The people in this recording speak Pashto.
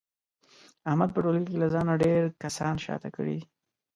احمد په ټولګي له ځانه ډېر کسان شاته کړي دي.